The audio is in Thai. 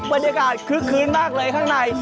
บรรยากาศคึกคืนมากเลยข้างใน